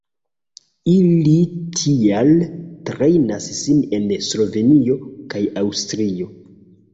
Ili tial trejnas sin en Slovenio kaj Aŭstrio.